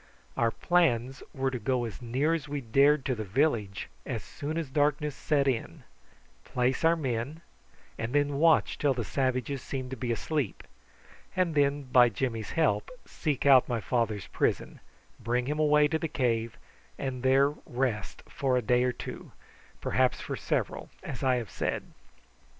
Our plans were to go as near as we dared to the village as soon as darkness set in, place our men, and then watch till the savages seemed to be asleep, and then, by Jimmy's help, seek out my father's prison, bring him away to the cave, and there rest for a day or two, perhaps for several, as I have said.